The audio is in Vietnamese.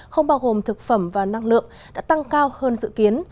không bao gồm thực phẩm và năng lượng đã tăng cao hơn dự kiến